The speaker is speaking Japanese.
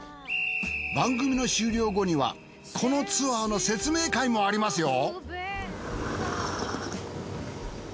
番組の終了後にはこのツアーの説明会もありますよ！